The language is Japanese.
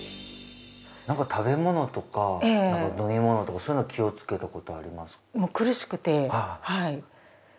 何か食べ物とか飲み物とかそういうの気をつけたことありますか？